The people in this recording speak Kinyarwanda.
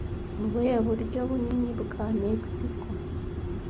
Ni ubuhe buryo bunini bwa Mexico